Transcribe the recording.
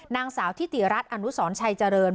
นางสาวทิติรัฐอนุสรชัยเจริญ